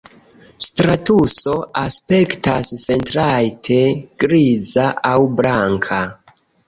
Stratuso aspektas sentrajte griza aŭ blanka.